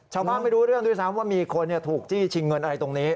ไม่รู้เรื่องด้วยซ้ำว่ามีคนถูกจี้ชิงเงินอะไรตรงนี้